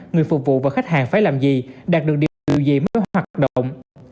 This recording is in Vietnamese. người phục vụ và khách hàng phải làm gì đạt được điều gì mới hoạt động